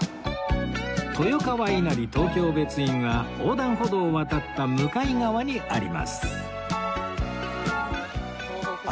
豊川稲荷東京別院は横断歩道を渡った向かい側にあります